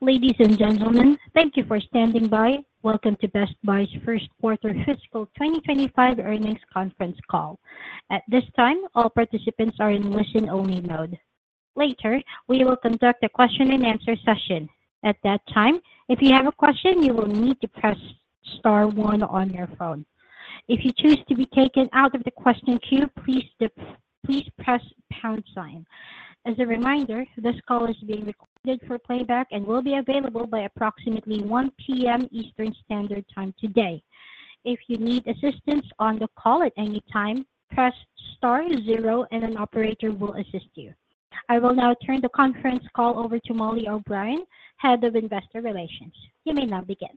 Ladies and gentlemen, thank you for standing by. Welcome to Best Buy's first quarter fiscal 2025 earnings conference call. At this time, all participants are in listen-only mode. Later, we will conduct a question-and-answer session. At that time, if you have a question, you will need to press star one on your phone. If you choose to be taken out of the question queue, please press pound sign. As a reminder, this call is being recorded for playback and will be available by approximately 1:00 P.M. Eastern Standard Time today. If you need assistance on the call at any time, press star zero and an operator will assist you. I will now turn the conference call over to Mollie O’Brien, Head of Investor Relations. You may now begin.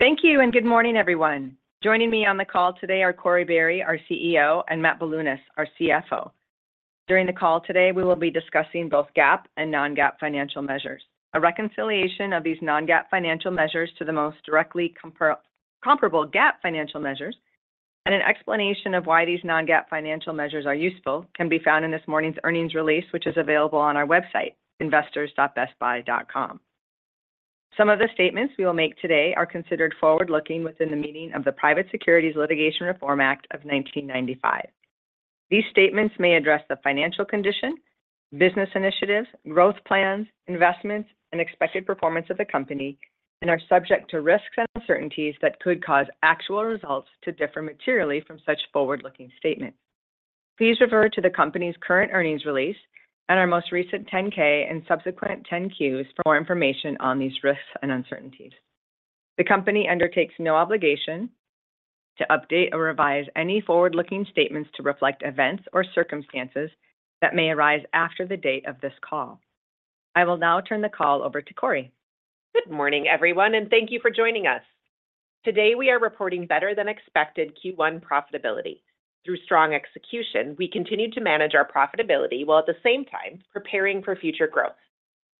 Thank you, and good morning, everyone. Joining me on the call today are Corie Barry, our CEO, and Matt Bilunas, our CFO. During the call today, we will be discussing both GAAP and non-GAAP financial measures. A reconciliation of these non-GAAP financial measures to the most directly comparable GAAP financial measures, and an explanation of why these non-GAAP financial measures are useful, can be found in this morning's earnings release, which is available on our website, investors.bestbuy.com. Some of the statements we will make today are considered forward-looking within the meaning of the Private Securities Litigation Reform Act of 1995. These statements may address the financial condition, business initiatives, growth plans, investments, and expected performance of the company and are subject to risks and uncertainties that could cause actual results to differ materially from such forward-looking statements. Please refer to the company's current earnings release and our most recent 10-K and subsequent 10-Qs for more information on these risks and uncertainties. The company undertakes no obligation to update or revise any forward-looking statements to reflect events or circumstances that may arise after the date of this call. I will now turn the call over to Corie. Good morning, everyone, and thank you for joining us. Today, we are reporting better-than-expected Q1 profitability. Through strong execution, we continued to manage our profitability while at the same time preparing for future growth.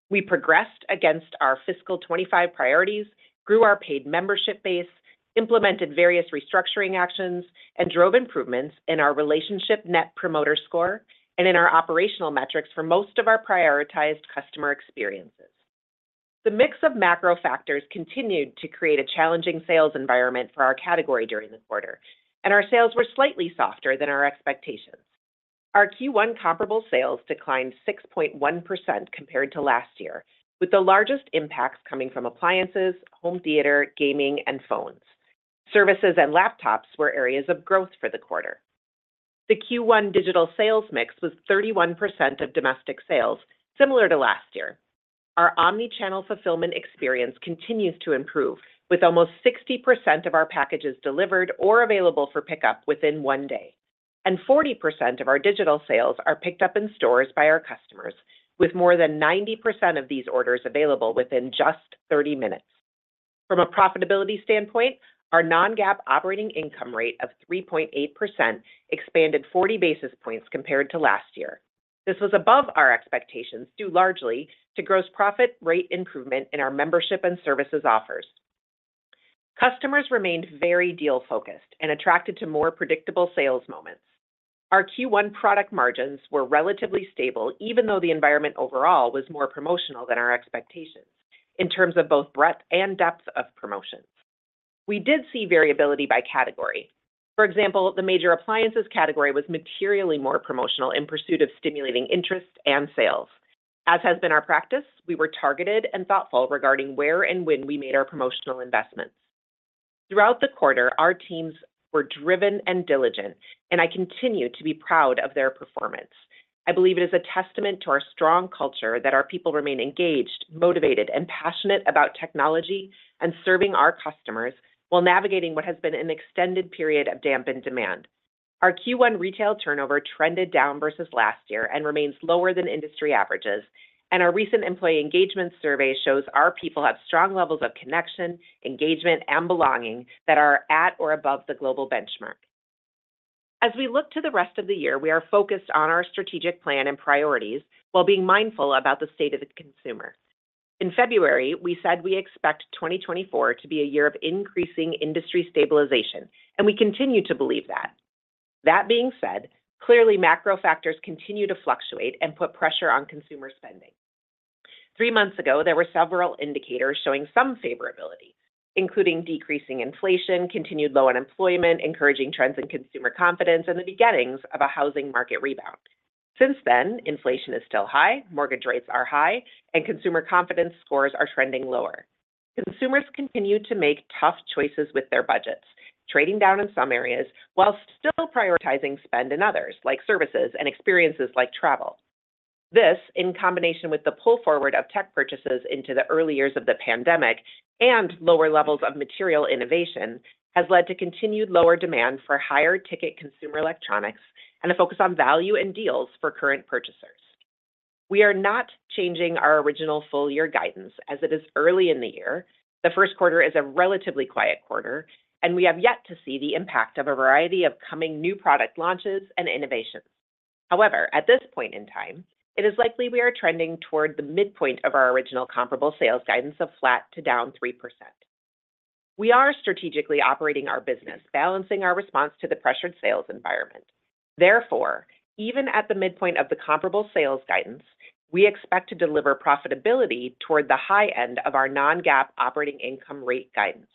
We progressed against our fiscal 2025 priorities, grew our paid membership base, implemented various restructuring actions, and drove improvements in our relationship Net Promoter Score and in our operational metrics for most of our prioritized customer experiences. The mix of macro factors continued to create a challenging sales environment for our category during the quarter, and our sales were slightly softer than our expectations. Our Q1 comparable sales declined 6.1% compared to last year, with the largest impacts coming from appliances, home theater, gaming, and phones. Services and laptops were areas of growth for the quarter. The Q1 digital sales mix was 31% of domestic sales, similar to last year. Our omni-channel fulfillment experience continues to improve, with almost 60% of our packages delivered or available for pickup within one day, and 40% of our digital sales are picked up in stores by our customers, with more than 90% of these orders available within just 30 minutes. From a profitability standpoint, our non-GAAP operating income rate of 3.8% expanded 40 basis points compared to last year. This was above our expectations, due largely to gross profit rate improvement in our membership and services offers. Customers remained very deal-focused and attracted to more predictable sales moments. Our Q1 product margins were relatively stable, even though the environment overall was more promotional than our expectations in terms of both breadth and depth of promotions. We did see variability by category. For example, the major appliances category was materially more promotional in pursuit of stimulating interest and sales. As has been our practice, we were targeted and thoughtful regarding where and when we made our promotional investments. Throughout the quarter, our teams were driven and diligent, and I continue to be proud of their performance. I believe it is a testament to our strong culture that our people remain engaged, motivated, and passionate about technology and serving our customers while navigating what has been an extended period of dampened demand. Our Q1 retail turnover trended down versus last year and remains lower than industry averages, and our recent employee engagement survey shows our people have strong levels of connection, engagement, and belonging that are at or above the global benchmark. As we look to the rest of the year, we are focused on our strategic plan and priorities while being mindful about the state of the consumer. In February, we said we expect 2024 to be a year of increasing industry stabilization, and we continue to believe that. That being said, clearly, macro factors continue to fluctuate and put pressure on consumer spending. Three months ago, there were several indicators showing some favorability, including decreasing inflation, continued low unemployment, encouraging trends in consumer confidence, and the beginnings of a housing market rebound. Since then, inflation is still high, mortgage rates are high, and consumer confidence scores are trending lower. Consumers continue to make tough choices with their budgets, trading down in some areas while still prioritizing spend in others, like services and experiences like travel. This, in combination with the pull forward of tech purchases into the early years of the pandemic and lower levels of material innovation, has led to continued lower demand for higher-ticket consumer electronics and a focus on value and deals for current purchasers. We are not changing our original full-year guidance, as it is early in the year. The first quarter is a relatively quiet quarter, and we have yet to see the impact of a variety of coming new product launches and innovations. However, at this point in time, it is likely we are trending toward the midpoint of our original comparable sales guidance of flat to down 3%. We are strategically operating our business, balancing our response to the pressured sales environment. Therefore, even at the midpoint of the comparable sales guidance, we expect to deliver profitability toward the high end of our non-GAAP operating income rate guidance.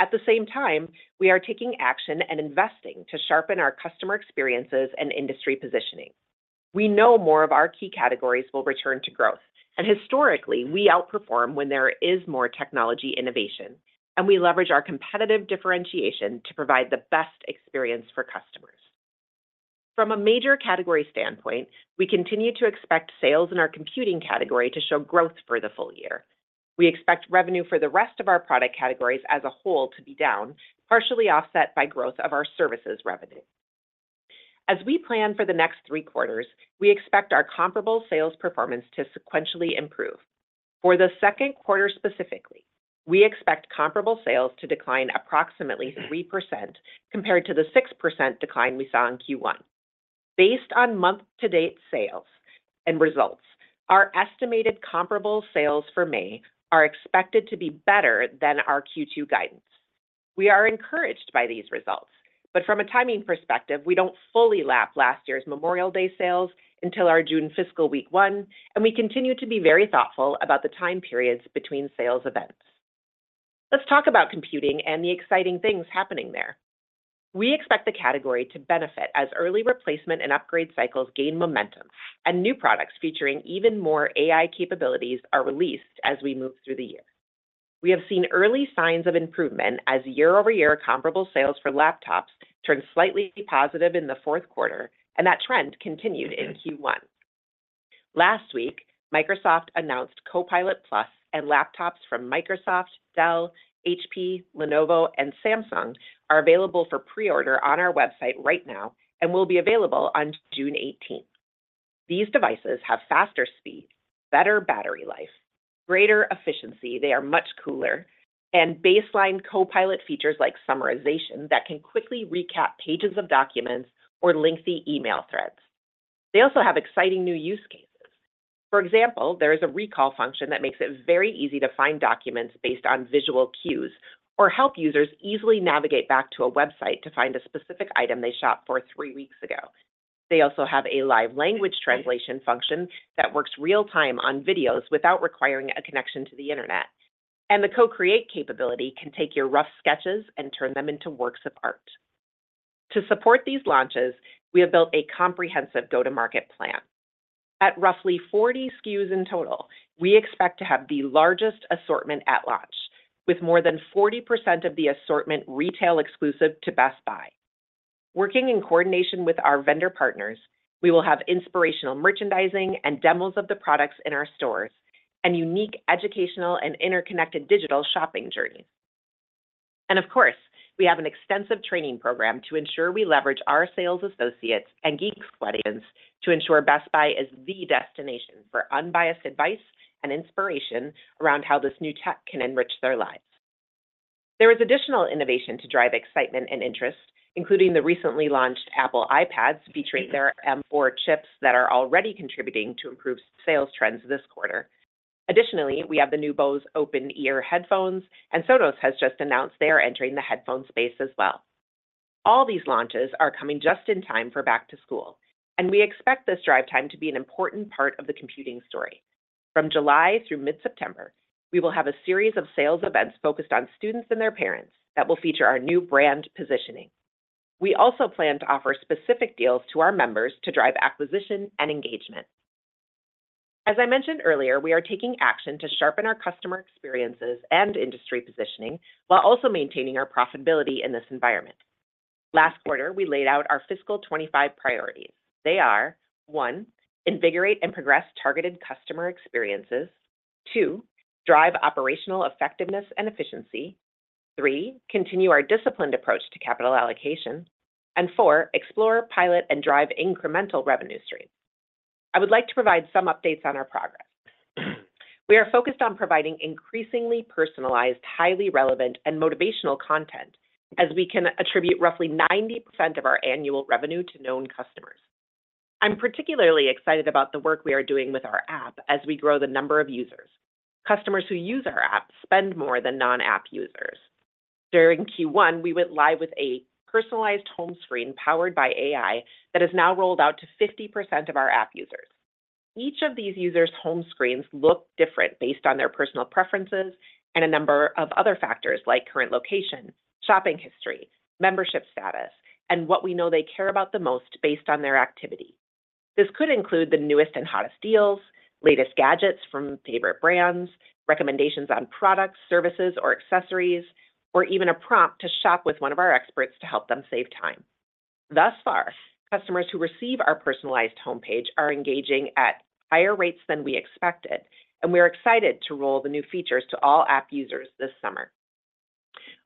At the same time, we are taking action and investing to sharpen our customer experiences and industry positioning. We know more of our key categories will return to growth, and historically, we outperform when there is more technology innovation, and we leverage our competitive differentiation to provide the best experience for customers. From a major category standpoint, we continue to expect sales in our computing category to show growth for the full year. We expect revenue for the rest of our product categories as a whole to be down, partially offset by growth of our services revenue. As we plan for the next three quarters, we expect our comparable sales performance to sequentially improve. For the second quarter specifically, we expect comparable sales to decline approximately 3% compared to the 6% decline we saw in Q1. Based on month-to-date sales and results, our estimated comparable sales for May are expected to be better than our Q2 guidance. We are encouraged by these results, but from a timing perspective, we don't fully lap last year's Memorial Day sales until our June fiscal week one, and we continue to be very thoughtful about the time periods between sales events. Let's talk about computing and the exciting things happening there. We expect the category to benefit as early replacement and upgrade cycles gain momentum, and new products featuring even more AI capabilities are released as we move through the year. We have seen early signs of improvement as year-over-year comparable sales for laptops turned slightly positive in the fourth quarter, and that trend continued in Q1. Last week, Microsoft announced Copilot+, and laptops from Microsoft, Dell, HP, Lenovo, and Samsung are available for pre-order on our website right now and will be available on June 18. These devices have faster speeds, better battery life, greater efficiency, they are much cooler, and baseline Copilot features like summarization that can quickly recap pages of documents or lengthy email threads. They also have exciting new use cases. For example, there is a recall function that makes it very easy to find documents based on visual cues or help users easily navigate back to a website to find a specific item they shopped for three weeks ago. They also have a live language translation function that works real-time on videos without requiring a connection to the internet, and the Co-Create capability can take your rough sketches and turn them into works of art. To support these launches, we have built a comprehensive go-to-market plan. At roughly 40 SKUs in total, we expect to have the largest assortment at launch, with more than 40% of the assortment retail exclusive to Best Buy. Working in coordination with our vendor partners, we will have inspirational merchandising and demos of the products in our stores and unique educational and interconnected digital shopping journeys. Of course, we have an extensive training program to ensure we leverage our sales associates and Geek Squad agents to ensure Best Buy is the destination for unbiased advice and inspiration around how this new tech can enrich their lives. There is additional innovation to drive excitement and interest, including the recently launched Apple iPads featuring their M4 chips that are already contributing to improved sales trends this quarter. Additionally, we have the new Bose Open Ear headphones, and Sonos has just announced they are entering the headphone space as well. All these launches are coming just in time for back to school, and we expect this drive time to be an important part of the computing story. From July through mid-September, we will have a series of sales events focused on students and their parents that will feature our new brand positioning. We also plan to offer specific deals to our members to drive acquisition and engagement. As I mentioned earlier, we are taking action to sharpen our customer experiences and industry positioning while also maintaining our profitability in this environment. Last quarter, we laid out our fiscal 2025 priorities. They are, one, invigorate and progress targeted customer experiences. 2, drive operational effectiveness and efficiency. 3, continue our disciplined approach to capital allocation. And four, explore, pilot, and drive incremental revenue streams. I would like to provide some updates on our progress. We are focused on providing increasingly personalized, highly relevant, and motivational content as we can attribute roughly 90% of our annual revenue to known customers. I'm particularly excited about the work we are doing with our app as we grow the number of users. Customers who use our app spend more than non-app users. During Q1, we went live with a personalized home screen powered by AI that is now rolled out to 50% of our app users. Each of these users' home screens look different based on their personal preferences and a number of other factors like current location, shopping history, membership status, and what we know they care about the most based on their activity. This could include the newest and hottest deals, latest gadgets from favorite brands, recommendations on products, services, or accessories, or even a prompt to shop with one of our experts to help them save time. Thus far, customers who receive our personalized homepage are engaging at higher rates than we expected, and we are excited to roll the new features to all app users this summer.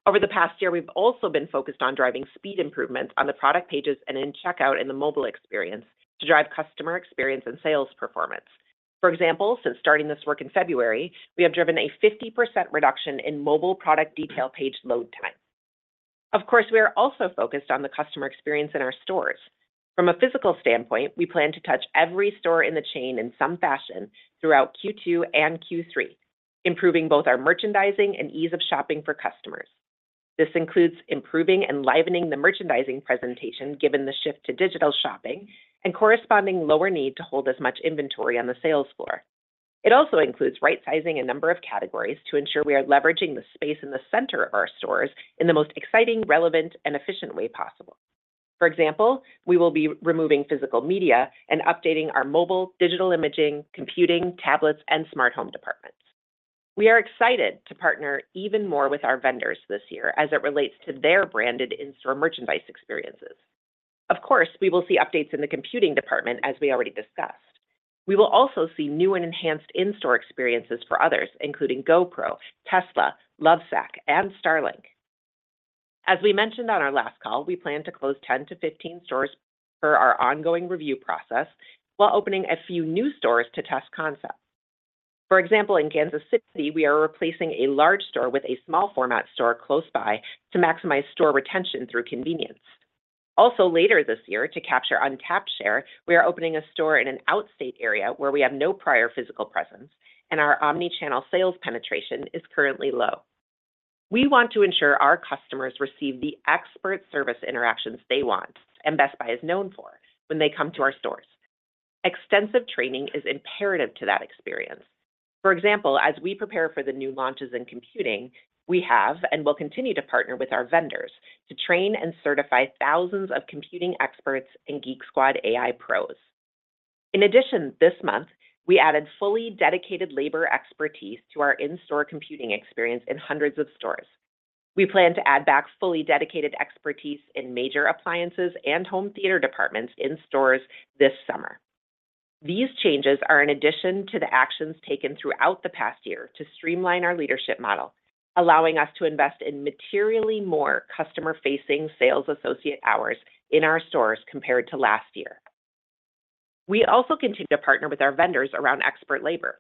Over the past year, we've also been focused on driving speed improvements on the product pages and in checkout in the mobile experience to drive customer experience and sales performance. For example, since starting this work in February, we have driven a 50% reduction in mobile product detail page load time. Of course, we are also focused on the customer experience in our stores. From a physical standpoint, we plan to touch every store in the chain in some fashion throughout Q2 and Q3, improving both our merchandising and ease of shopping for customers. This includes improving and livening the merchandising presentation, given the shift to digital shopping, and corresponding lower need to hold as much inventory on the sales floor. It also includes right-sizing a number of categories to ensure we are leveraging the space in the center of our stores in the most exciting, relevant, and efficient way possible. For example, we will be removing physical media and updating our mobile, digital imaging, computing, tablets, and smart home departments. We are excited to partner even more with our vendors this year as it relates to their branded in-store merchandise experiences. Of course, we will see updates in the computing department as we already discussed. We will also see new and enhanced in-store experiences for others, including GoPro, Tesla, Lovesac, and Starlink. As we mentioned on our last call, we plan to close 10-15 stores per our ongoing review process while opening a few new stores to test concepts. For example, in Kansas City, we are replacing a large store with a small-format store close by to maximize store retention through convenience. Also, later this year, to capture untapped share, we are opening a store in an outstate area where we have no prior physical presence and our omni-channel sales penetration is currently low. We want to ensure our customers receive the expert service interactions they want, and Best Buy is known for, when they come to our stores. Extensive training is imperative to that experience. For example, as we prepare for the new launches in computing, we have and will continue to partner with our vendors to train and certify thousands of computing experts and Geek Squad AI pros. In addition, this month, we added fully dedicated labor expertise to our in-store computing experience in hundreds of stores. We plan to add back fully dedicated expertise in major appliances and home theater departments in stores this summer. These changes are in addition to the actions taken throughout the past year to streamline our leadership model, allowing us to invest in materially more customer-facing sales associate hours in our stores compared to last year. We also continue to partner with our vendors around expert labor.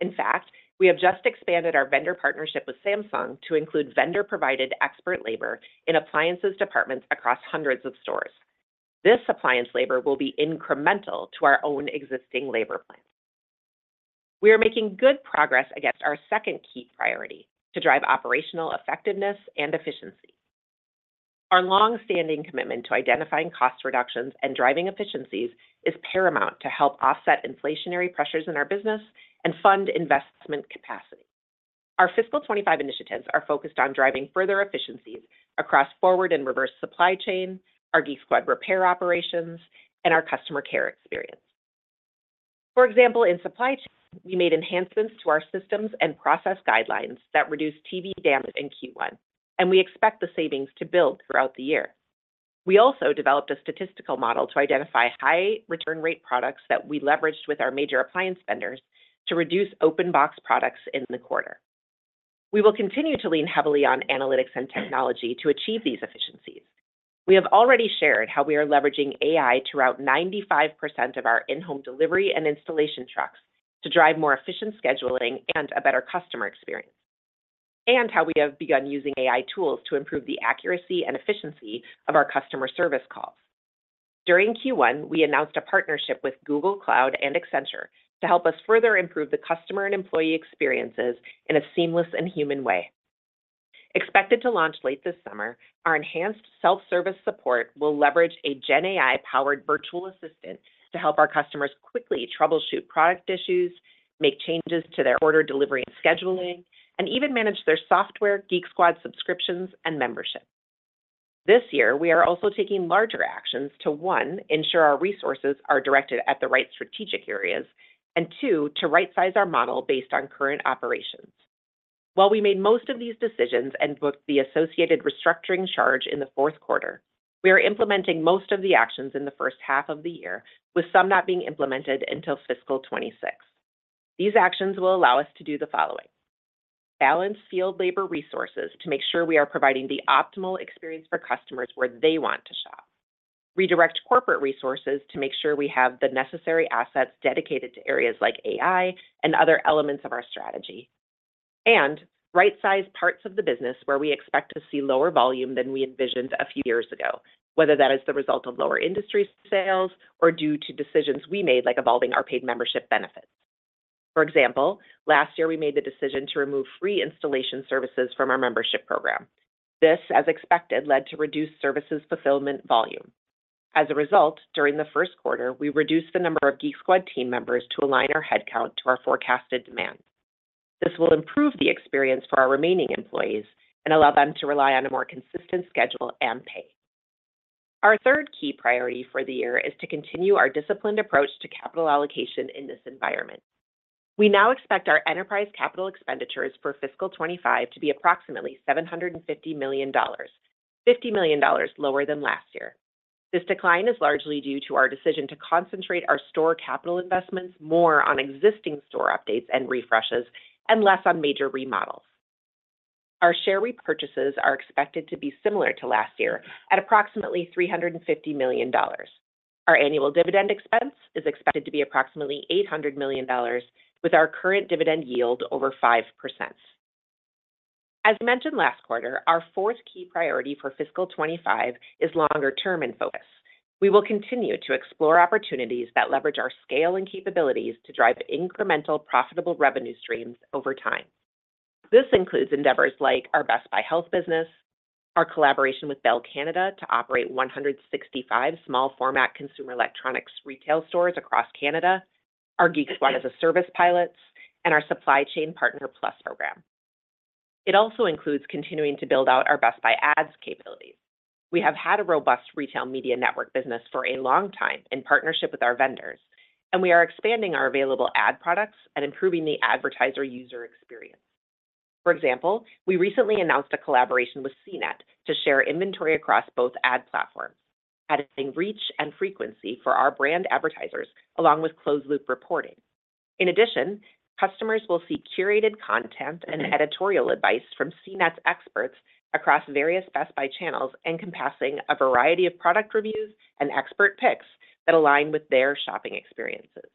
In fact, we have just expanded our vendor partnership with Samsung to include vendor-provided expert labor in appliances departments across hundreds of stores. This appliance labor will be incremental to our own existing labor plan. We are making good progress against our second key priority to drive operational effectiveness and efficiency. Our long-standing commitment to identifying cost reductions and driving efficiencies is paramount to help offset inflationary pressures in our business and fund investment capacity. Our fiscal 25 initiatives are focused on driving further efficiencies across forward and reverse supply chain, our Geek Squad repair operations, and our customer care experience. For example, in supply chain, we made enhancements to our systems and process guidelines that reduced TV damage in Q1, and we expect the savings to build throughout the year. We also developed a statistical model to identify high return rate products that we leveraged with our major appliance vendors to reduce open box products in the quarter. We will continue to lean heavily on analytics and technology to achieve these efficiencies. We have already shared how we are leveraging AI to route 95% of our in-home delivery and installation trucks to drive more efficient scheduling and a better customer experience, and how we have begun using AI tools to improve the accuracy and efficiency of our customer service calls. During Q1, we announced a partnership with Google Cloud and Accenture to help us further improve the customer and employee experiences in a seamless and human way. Expected to launch late this summer, our enhanced self-service support will leverage a Gen AI-powered virtual assistant to help our customers quickly troubleshoot product issues, make changes to their order delivery and scheduling, and even manage their software, Geek Squad subscriptions, and membership. This year, we are also taking larger actions to, one, ensure our resources are directed at the right strategic areas, and two, to right-size our model based on current operations. While we made most of these decisions and booked the associated restructuring charge in the fourth quarter, we are implementing most of the actions in the first half of the year, with some not being implemented until fiscal 2026. These actions will allow us to do the following: Balance field labor resources to make sure we are providing the optimal experience for customers where they want to shop. Redirect corporate resources to make sure we have the necessary assets dedicated to areas like AI and other elements of our strategy. Right-size parts of the business where we expect to see lower volume than we envisioned a few years ago, whether that is the result of lower industry sales or due to decisions we made, like evolving our paid membership benefits. For example, last year, we made the decision to remove free installation services from our membership program. This, as expected, led to reduced services fulfillment volume. As a result, during the first quarter, we reduced the number of Geek Squad team members to align our headcount to our forecasted demand. This will improve the experience for our remaining employees and allow them to rely on a more consistent schedule and pay. Our third key priority for the year is to continue our disciplined approach to capital allocation in this environment. We now expect our enterprise capital expenditures for fiscal 2025 to be approximately $750 million, $50 million lower than last year. This decline is largely due to our decision to concentrate our store capital investments more on existing store updates and refreshes and less on major remodels. Our share repurchases are expected to be similar to last year at approximately $350 million.... Our annual dividend expense is expected to be approximately $800 million, with our current dividend yield over 5%. As mentioned last quarter, our fourth key priority for fiscal 2025 is longer term in focus. We will continue to explore opportunities that leverage our scale and capabilities to drive incremental profitable revenue streams over time. This includes endeavors like our Best Buy Health business, our collaboration with Bell Canada to operate 165 small-format consumer electronics retail stores across Canada, our Geek Squad as a service pilots, and our Supply Chain Partner Plus program. It also includes continuing to build out our Best Buy Ads capabilities. We have had a robust retail media network business for a long time in partnership with our vendors, and we are expanding our available ad products and improving the advertiser user experience. For example, we recently announced a collaboration with CNET to share inventory across both ad platforms, adding reach and frequency for our brand advertisers, along with closed-loop reporting. In addition, customers will see curated content and editorial advice from CNET's experts across various Best Buy channels, encompassing a variety of product reviews and expert picks that align with their shopping experiences.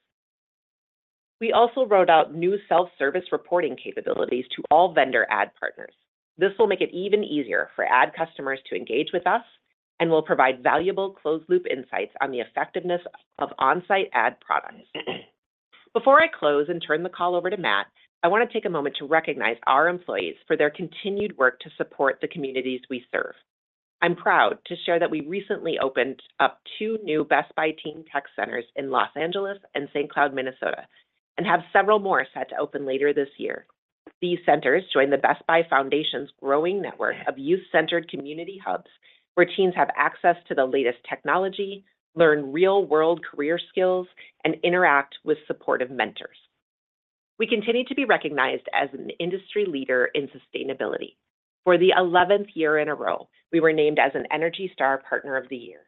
We also rolled out new self-service reporting capabilities to all vendor ad partners. This will make it even easier for ad customers to engage with us and will provide valuable closed-loop insights on the effectiveness of on-site ad products. Before I close and turn the call over to Matt, I want to take a moment to recognize our employees for their continued work to support the communities we serve. I'm proud to share that we recently opened up two new Best Buy Teen Tech Centers in Los Angeles and St. Cloud, Minnesota, and have several more set to open later this year. These centers join the Best Buy Foundation's growing network of youth-centered community hubs, where teens have access to the latest technology, learn real-world career skills, and interact with supportive mentors. We continue to be recognized as an industry leader in sustainability. For the eleventh year in a row, we were named as an Energy Star Partner of the Year.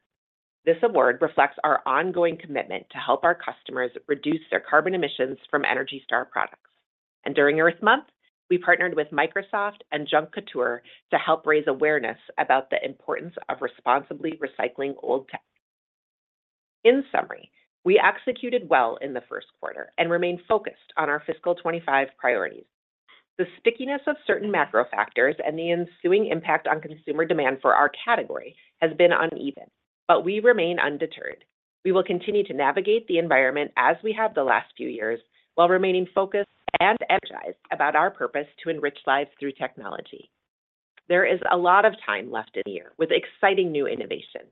This award reflects our ongoing commitment to help our customers reduce their carbon emissions from Energy Star products. During Earth Month, we partnered with Microsoft and Junk Kouture to help raise awareness about the importance of responsibly recycling old tech. In summary, we executed well in the first quarter and remain focused on our fiscal 25 priorities. The stickiness of certain macro factors and the ensuing impact on consumer demand for our category has been uneven, but we remain undeterred. We will continue to navigate the environment as we have the last few years, while remaining focused and energized about our purpose to enrich lives through technology. There is a lot of time left in the year with exciting new innovation.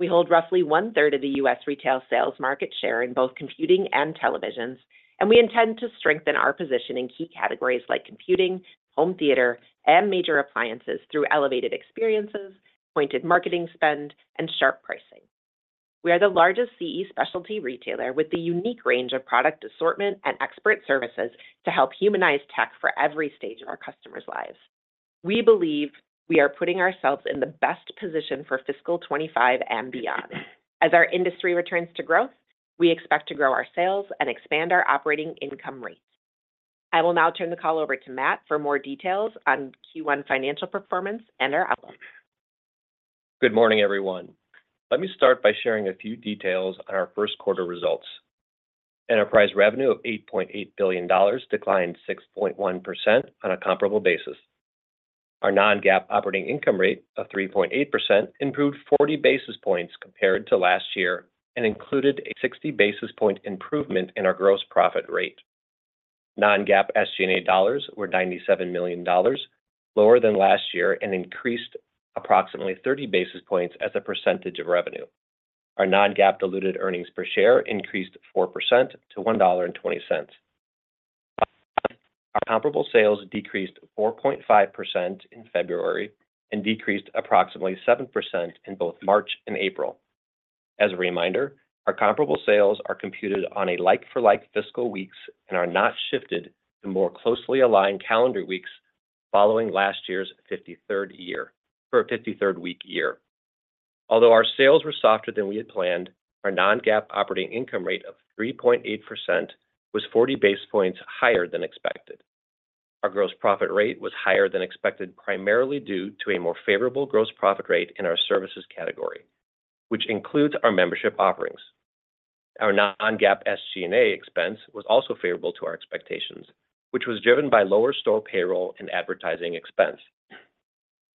We hold roughly one-third of the U.S. retail sales market share in both computing and televisions, and we intend to strengthen our position in key categories like computing, home theater, and major appliances through elevated experiences, pointed marketing spend, and sharp pricing. We are the largest CE specialty retailer with the unique range of product assortment and expert services to help humanize tech for every stage of our customers' lives. We believe we are putting ourselves in the best position for fiscal 25 and beyond. As our industry returns to growth, we expect to grow our sales and expand our operating income rates. I will now turn the call over to Matt for more details on Q1 financial performance and our outlook. Good morning, everyone. Let me start by sharing a few details on our first quarter results. Enterprise revenue of $8.8 billion declined 6.1% on a comparable basis. Our non-GAAP operating income rate of 3.8% improved 40 basis points compared to last year and included a 60 basis points improvement in our gross profit rate. Non-GAAP SG&A dollars were $97 million, lower than last year, and increased approximately 30 basis points as a percentage of revenue. Our non-GAAP diluted earnings per share increased 4% to $1.20. Our comparable sales decreased 4.5% in February and decreased approximately 7% in both March and April. As a reminder, our comparable sales are computed on a like-for-like fiscal weeks and are not shifted to more closely align calendar weeks following last year's 53rd week year for a 53rd week year. Although our sales were softer than we had planned, our non-GAAP operating income rate of 3.8% was 40 basis points higher than expected. Our gross profit rate was higher than expected, primarily due to a more favorable gross profit rate in our services category, which includes our membership offerings. Our non-GAAP SG&A expense was also favorable to our expectations, which was driven by lower store payroll and advertising expense.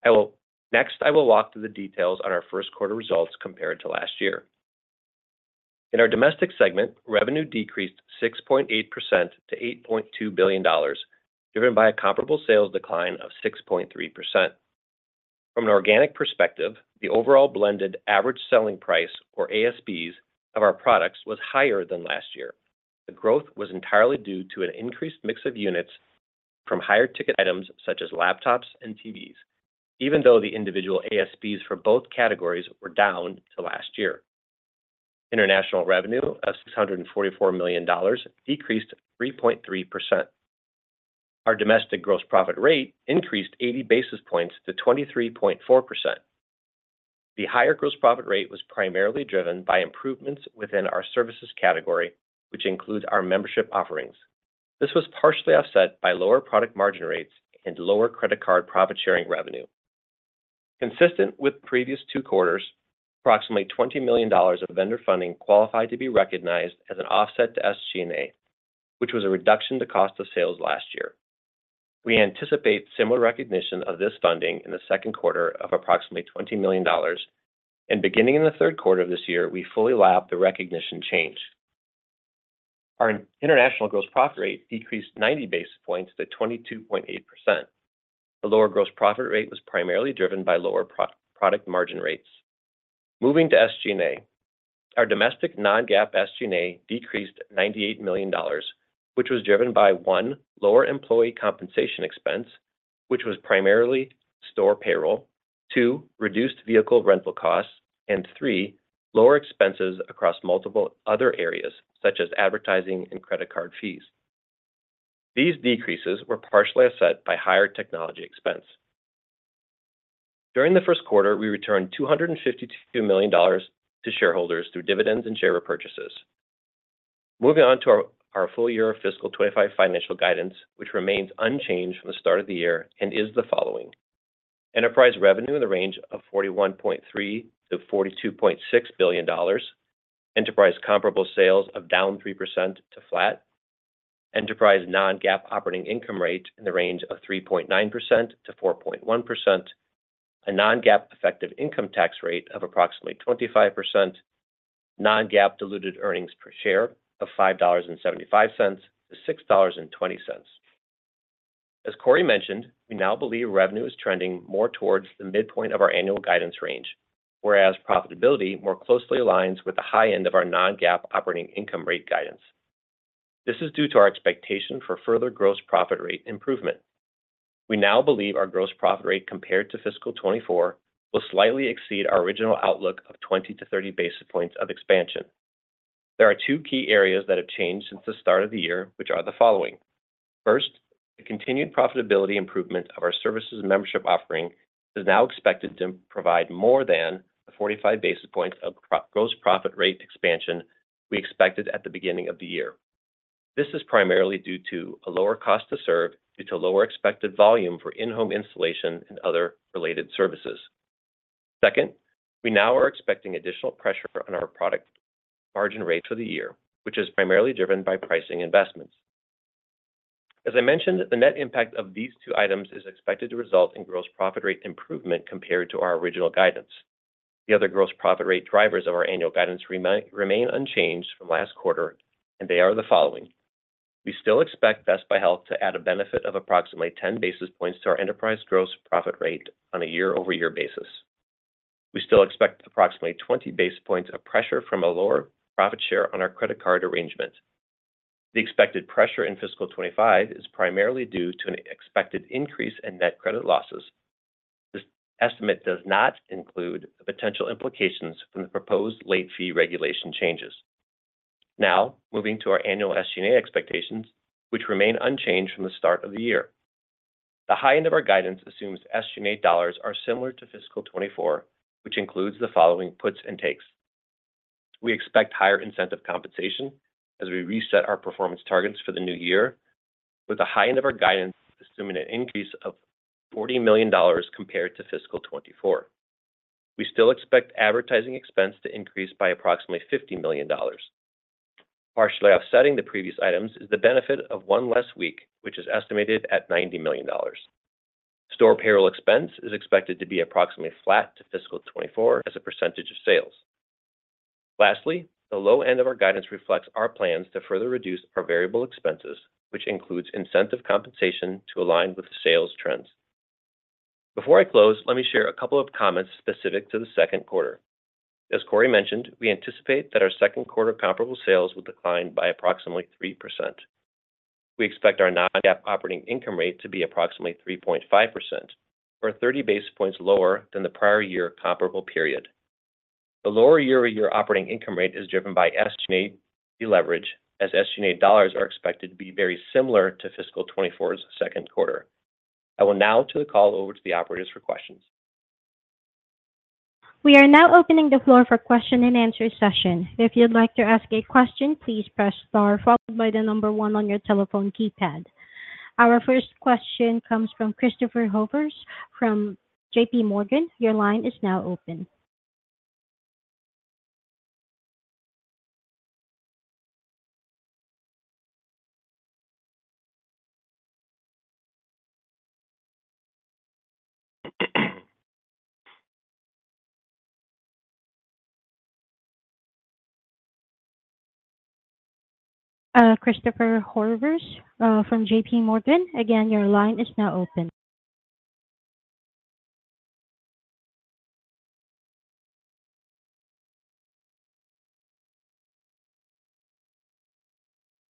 I will next walk through the details on our first quarter results compared to last year. In our domestic segment, revenue decreased 6.8% to $8.2 billion, driven by a comparable sales decline of 6.3%. From an organic perspective, the overall blended average selling price, or ASPs, of our products was higher than last year. The growth was entirely due to an increased mix of units from higher-ticket items such as laptops and TVs, even though the individual ASPs for both categories were down to last year. International revenue of $644 million decreased 3.3%. Our domestic gross profit rate increased 80 basis points to 23.4%. The higher gross profit rate was primarily driven by improvements within our services category, which includes our membership offerings. This was partially offset by lower product margin rates and lower credit card profit-sharing revenue. Consistent with previous two quarters, approximately $20 million of vendor funding qualified to be recognized as an offset to SG&A, which was a reduction to cost of sales last year. We anticipate similar recognition of this funding in the second quarter of approximately $20 million, and beginning in the third quarter of this year, we fully lap the recognition change. Our international gross profit rate decreased 90 basis points to 22.8%. The lower gross profit rate was primarily driven by lower product margin rates. Moving to SG&A. Our domestic non-GAAP SG&A decreased $98 million, which was driven by, one, lower employee compensation expense, which was primarily store payroll. Two, reduced vehicle rental costs. And three, lower expenses across multiple other areas, such as advertising and credit card fees. These decreases were partially offset by higher technology expense. During the first quarter, we returned $252 million to shareholders through dividends and share repurchases. Moving on to our full year fiscal 2025 financial guidance, which remains unchanged from the start of the year and is the following: Enterprise revenue in the range of $41.3 billion-$42.6 billion. Enterprise comparable sales of down 3% to flat. Enterprise non-GAAP operating income rate in the range of 3.9%-4.1%. A non-GAAP effective income tax rate of approximately 25%. Non-GAAP diluted earnings per share of $5.75-$6.20. As Corie mentioned, we now believe revenue is trending more towards the midpoint of our annual guidance range, whereas profitability more closely aligns with the high end of our non-GAAP operating income rate guidance. This is due to our expectation for further gross profit rate improvement. We now believe our gross profit rate compared to fiscal 2024, will slightly exceed our original outlook of 20-30 basis points of expansion. There are two key areas that have changed since the start of the year, which are the following: First, the continued profitability improvement of our services and membership offering is now expected to provide more than the 45 basis points of gross profit rate expansion we expected at the beginning of the year. This is primarily due to a lower cost to serve, due to lower expected volume for in-home installation and other related services. Second, we now are expecting additional pressure on our product margin rates for the year, which is primarily driven by pricing investments. As I mentioned, the net impact of these two items is expected to result in gross profit rate improvement compared to our original guidance. The other gross profit rate drivers of our annual guidance remain unchanged from last quarter, and they are the following: We still expect Best Buy Health to add a benefit of approximately 10 basis points to our enterprise gross profit rate on a year-over-year basis. We still expect approximately 20 basis points of pressure from a lower profit share on our credit card arrangement. The expected pressure in fiscal 2025 is primarily due to an expected increase in net credit losses. This estimate does not include the potential implications from the proposed late fee regulation changes. Now, moving to our annual SG&A expectations, which remain unchanged from the start of the year. The high end of our guidance assumes SG&A dollars are similar to fiscal 2024, which includes the following puts and takes. We expect higher incentive compensation as we reset our performance targets for the new year, with the high end of our guidance assuming an increase of $40 million compared to fiscal 2024. We still expect advertising expense to increase by approximately $50 million. Partially offsetting the previous items is the benefit of one less week, which is estimated at $90 million. Store payroll expense is expected to be approximately flat to fiscal 2024 as a percentage of sales. Lastly, the low end of our guidance reflects our plans to further reduce our variable expenses, which includes incentive compensation to align with sales trends. Before I close, let me share a couple of comments specific to the second quarter. As Corie mentioned, we anticipate that our second quarter comparable sales will decline by approximately 3%. We expect our non-GAAP operating income rate to be approximately 3.5% or 30 basis points lower than the prior year comparable period. The lower year-over-year operating income rate is driven by SG&A leverage, as SG&A dollars are expected to be very similar to fiscal 2024's second quarter. I will now turn the call over to the operators for questions. We are now opening the floor for question and answer session. If you'd like to ask a question, please press star followed by the number one on your telephone keypad. Our first question comes from Christopher Horvers from JPMorgan. Your line is now open. Christopher Horvers from JPMorgan, again, your line is now open.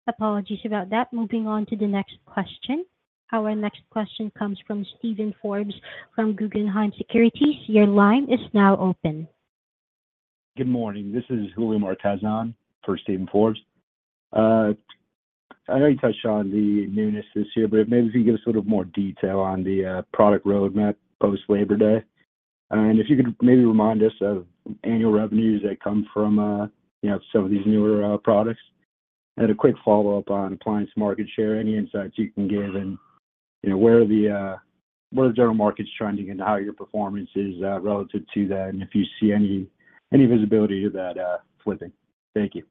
Apologies about that. Moving on to the next question. Our next question comes from Steven Forbes from Guggenheim Securities. Your line is now open. Good morning. This is William Fitzgibbon for Steven Forbes. I know you touched on the newness this year, but maybe if you could give us sort of more detail on the, product roadmap post-Labor Day. And if you could maybe remind us of annual revenues that come from, you know, some of these newer, products? And a quick follow-up on appliance market share. Any insights you can give, and, you know, where are the, where the general market's trending into, how your performance is, relative to that, and if you see any, any visibility to that, flipping? Thank you.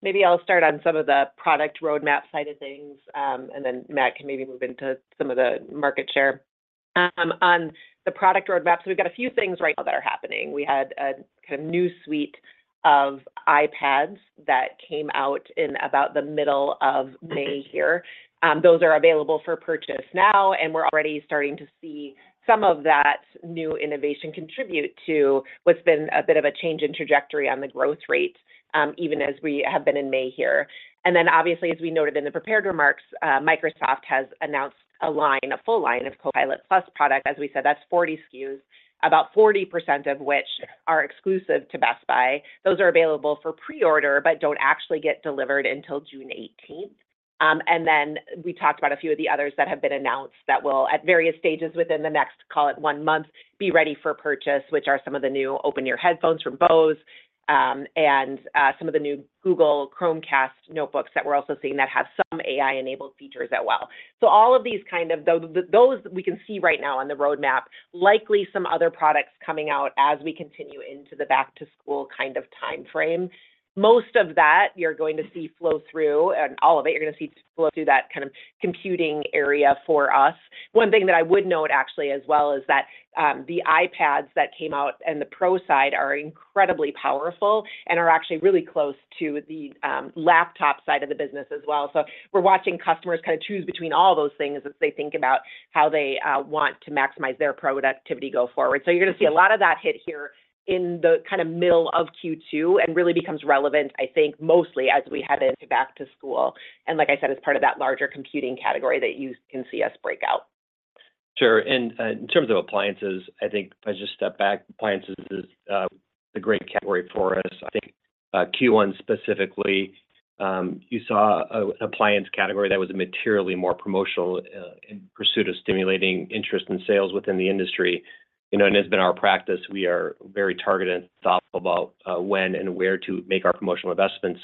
Maybe I'll start on some of the product roadmap side of things, and then Matt can maybe move into some of the market share. On the product roadmap, so we've got a few things right now that are happening. We had a kind of new suite of iPads that came out in about the middle of May here. Those are available for purchase now, and we're already starting to see some of that new innovation contribute to what's been a bit of a change in trajectory on the growth rate, even as we have been in May here. And then, obviously, as we noted in the prepared remarks, Microsoft has announced a line, a full line of Copilot+ product. As we said, that's 40 SKUs, about 40% of which are exclusive to Best Buy. Those are available for pre-order, but don't actually get delivered until June eighteenth. And then we talked about a few of the others that have been announced that will, at various stages within the next, call it one month, be ready for purchase, which are some of the new open-ear headphones from Bose, and some of the new Google Chromebook notebooks that we're also seeing that have some AI-enabled features as well. So all of these kind of those we can see right now on the roadmap, likely some other products coming out as we continue into the back-to-school kind of timeframe. Most of that, you're going to see flow through, and all of it, you're gonna see flow through that kind of computing area for us. One thing that I would note, actually, as well, is that the iPads that came out in the Pro side are incredibly powerful and are actually really close to the laptop side of the business as well. So we're watching customers kinda choose between all those things as they think about how they want to maximize their productivity go forward. So you're gonna see a lot of that hit here in the kinda middle of Q2, and really becomes relevant, I think, mostly as we head into back to school. And like I said, it's part of that larger computing category that you can see us break out. Sure. And in terms of appliances, I think if I just step back, appliances is a great category for us. I think Q1 specifically, you saw an appliance category that was materially more promotional in pursuit of stimulating interest in sales within the industry. You know, and it's been our practice, we are very targeted and thoughtful about when and where to make our promotional investments.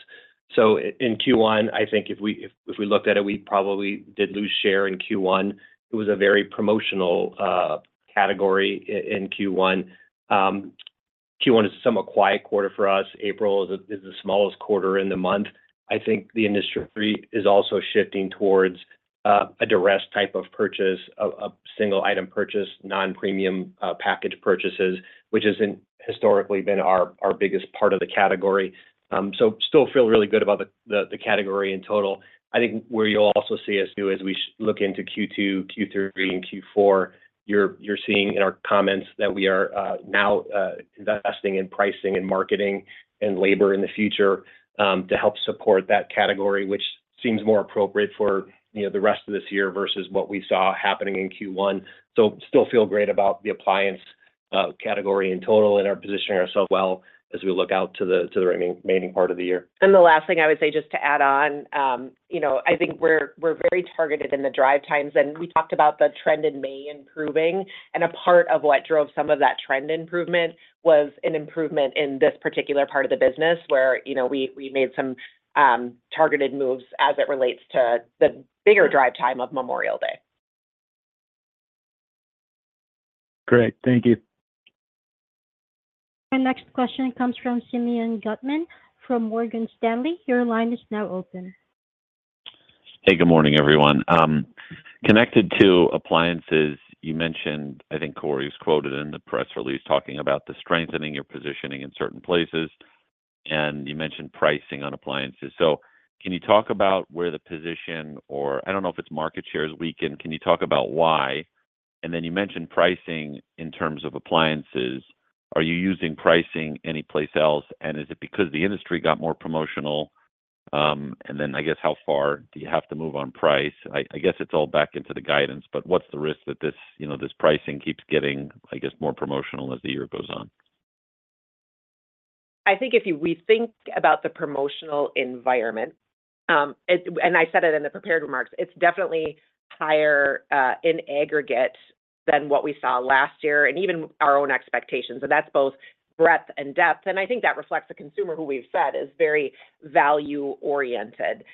So in Q1, I think if we looked at it, we probably did lose share in Q1. It was a very promotional category in Q1. Q1 is a somewhat quiet quarter for us. April is the smallest quarter in the month. I think the industry is also shifting towards a duress type of purchase, a single item purchase, non-premium package purchases, which hasn't historically been our biggest part of the category. So still feel really good about the category in total. I think where you'll also see us too, as we look into Q2, Q3, and Q4, you're seeing in our comments that we are now investing in pricing and marketing and labor in the future to help support that category, which seems more appropriate for, you know, the rest of this year versus what we saw happening in Q1. So still feel great about the appliance category in total and are positioning ourselves well as we look out to the remaining part of the year. The last thing I would say, just to add on, you know, I think we're very targeted in the drive times, and we talked about the trend in May improving, and a part of what drove some of that trend improvement was an improvement in this particular part of the business, where, you know, we made some targeted moves as it relates to the bigger drive time of Memorial Day. Great. Thank you. Our next question comes from Simeon Gutman from Morgan Stanley. Your line is now open. Hey, good morning, everyone. Connected to appliances, you mentioned, I think Corie was quoted in the press release, talking about the strengthening your positioning in certain places, and you mentioned pricing on appliances. So can you talk about where the position or... I don't know if it's market share has weakened. Can you talk about why? And then you mentioned pricing in terms of appliances. Are you using pricing anyplace else? And is it because the industry got more promotional? And then, I guess, how far do you have to move on price? I guess it's all back into the guidance, but what's the risk that this, you know, this pricing keeps getting, I guess, more promotional as the year goes on? I think if we think about the promotional environment. And I said it in the prepared remarks, it's definitely higher in aggregate than what we saw last year and even our own expectations, and that's both breadth and depth, and I think that reflects the consumer, who we've said is very value-oriented.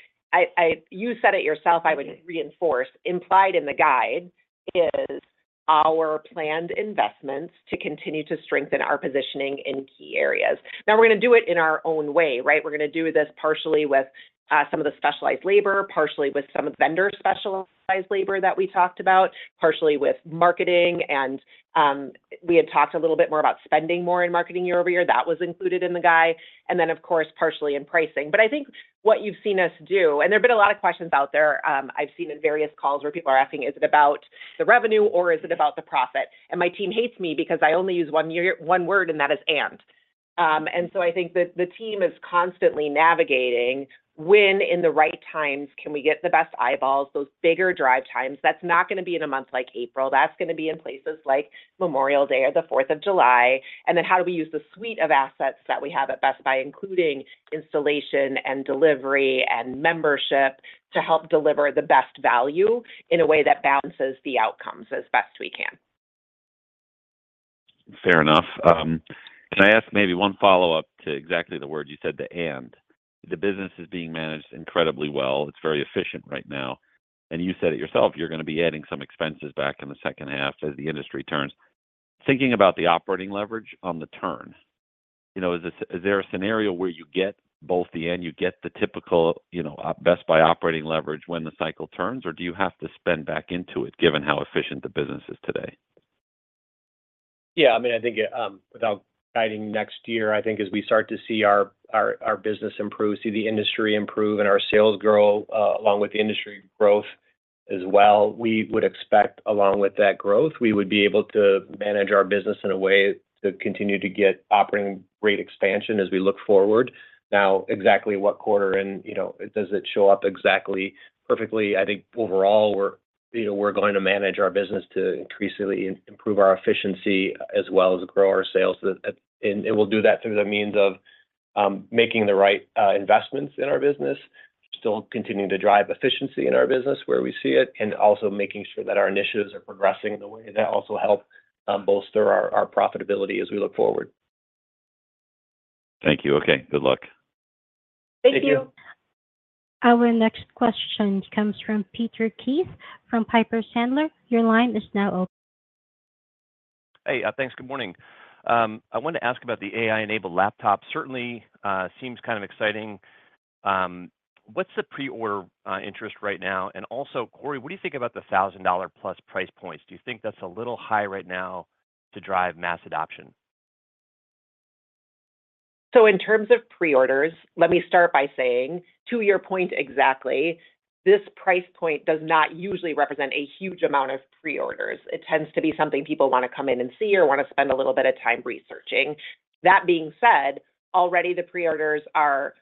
You said it yourself, I would reinforce, implied in the guide is our planned investments to continue to strengthen our positioning in key areas. Now, we're going to do it in our own way, right? We're going to do this partially with some of the specialized labor, partially with some vendor specialized labor that we talked about, partially with marketing. And we had talked a little bit more about spending more in marketing year over year. That was included in the guide, and then, of course, partially in pricing. But I think what you've seen us do, and there have been a lot of questions out there, I've seen in various calls where people are asking, "Is it about the revenue or is it about the profit?" And my team hates me because I only use one-word, and that is "and." And so I think the team is constantly navigating when in the right times can we get the best eyeballs, those bigger drive times. That's not gonna be in a month like April. That's gonna be in places like Memorial Day or the Fourth of July. And then, how do we use the suite of assets that we have at Best Buy, including installation and delivery and membership, to help deliver the best value in a way that balances the outcomes as best we can?... Fair enough. Can I ask maybe one follow-up to exactly the word you said, the "and," the business is being managed incredibly well. It's very efficient right now, and you said it yourself, you're gonna be adding some expenses back in the second half as the industry turns. Thinking about the operating leverage on the turn, you know, is there a scenario where you get both the end, you get the typical, you know, Best Buy operating leverage when the cycle turns, or do you have to spend back into it, given how efficient the business is today? Yeah, I mean, I think, without guiding next year, I think as we start to see our business improve, see the industry improve and our sales grow, along with the industry growth as well, we would expect, along with that growth, we would be able to manage our business in a way to continue to get operating rate expansion as we look forward. Now, exactly what quarter and, you know, does it show up exactly perfectly? I think overall, we're, you know, we're going to manage our business to increasingly improve our efficiency as well as grow our sales. We'll do that through the means of making the right investments in our business, still continuing to drive efficiency in our business where we see it, and also making sure that our initiatives are progressing in a way that also help bolster our profitability as we look forward. Thank you. Okay, good luck. Thank you. Our next question comes from Peter Keith, from Piper Sandler. Your line is now open. Hey, thanks. Good morning. I wanted to ask about the AI-enabled laptop. Certainly, seems kind of exciting. What's the pre-order interest right now? And also, Corie, what do you think about the $1,000+ price points? Do you think that's a little high right now to drive mass adoption? So in terms of pre-orders, let me start by saying, to your point exactly, this price point does not usually represent a huge amount of pre-orders. It tends to be something people wanna come in and see or wanna spend a little bit of time researching. That being said, already the pre-orders are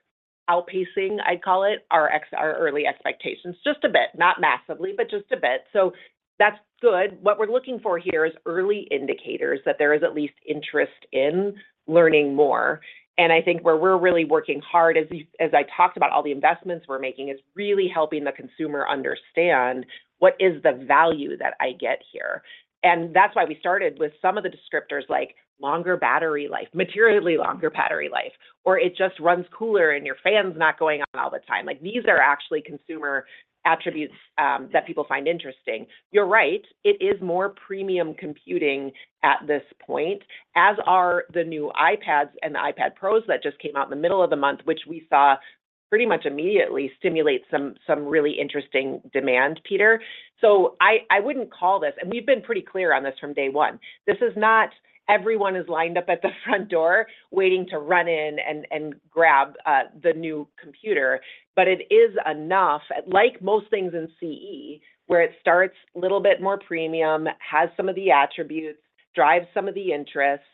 outpacing, I'd call it, our early expectations. Just a bit, not massively, but just a bit. So that's good. What we're looking for here is early indicators that there is at least interest in learning more. And I think where we're really working hard, as I talked about all the investments we're making, is really helping the consumer understand what is the value that I get here. That's why we started with some of the descriptors like longer battery life, materially longer battery life, or it just runs cooler and your fan's not going on all the time. Like, these are actually consumer attributes that people find interesting. You're right, it is more premium computing at this point, as are the new iPads and the iPad Pros that just came out in the middle of the month, which we saw pretty much immediately stimulate some really interesting demand, Peter. So I wouldn't call this... And we've been pretty clear on this from day one. This is not everyone is lined up at the front door waiting to run in and grab the new computer, but it is enough, like most things in CE, where it starts a little bit more premium, has some of the attributes, drives some of the interest,